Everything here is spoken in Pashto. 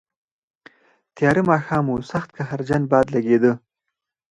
تیاره ماښام و، سخت قهرجن باد لګېده.